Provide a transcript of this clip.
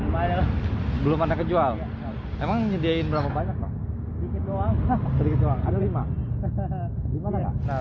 belum ada kejual emang nyediain berapa banyak